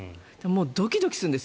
ドキドキするんです。